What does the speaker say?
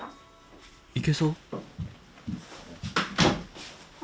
行けそう？